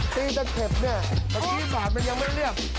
ตีตะเข็บเนี่ยตะขี้บาดมันยังไม่เรียบ